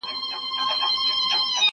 سره جمع وي په کور کي د خپلوانو!!